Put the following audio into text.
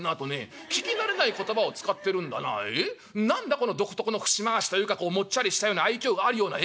この独特の節回しというかもっちゃりしたような愛嬌があるようなえ？